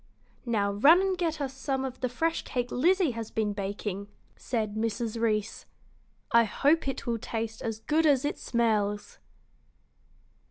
"Now run and get us some of the fresh cake Lizzie has been baking," said Mrs. Reece. "I hope it will taste as good as it smells."